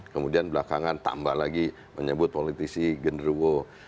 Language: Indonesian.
kemudian belakangan tambah lagi menyebut politisi genderuwo